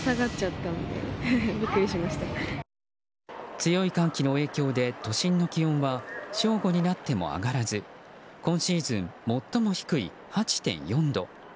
強い寒気の影響で都心の気温は正午になっても上がらず今シーズン最も低い８．４度。